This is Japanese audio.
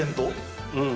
うん。